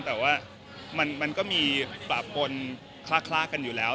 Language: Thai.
แต่ว่ามันก็มีปราบปนคลากกันอยู่แล้ว